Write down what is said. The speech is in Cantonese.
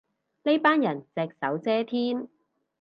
呢班人隻手遮天